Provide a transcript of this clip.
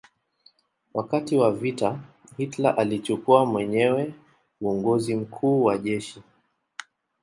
Wakati wa vita Hitler alichukua mwenyewe uongozi mkuu wa jeshi.